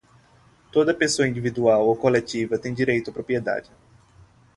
Toda a pessoa, individual ou colectiva, tem direito à propriedade.